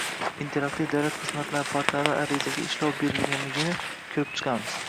interaktiv davlat xizmatlari portalida arizaga ishlov berilganini ko‘rib chiqamiz.